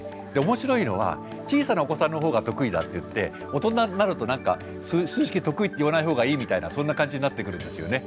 面白いのは小さなお子さんの方が得意だっていって大人になると何か数式得意っていわない方がいいみたいなそんな感じになってくるんですよね。